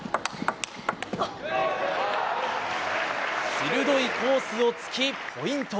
鋭いコースをつきポイント。